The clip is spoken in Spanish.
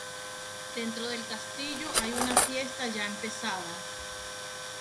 Dentro del castillo hay una fiesta ya empezada.